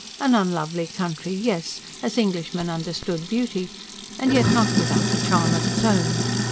An unlovely country, yes, as Englishmen understood beauty; and yet not without a charm of its own.